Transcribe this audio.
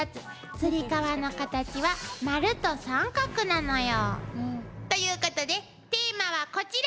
つり革のカタチは丸と三角なのよ。ということでテーマはこちら！